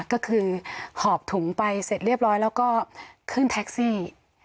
ก็คือหอบถุงไปเสร็จเรียบร้อยแล้วก็ขึ้นแท็กซี่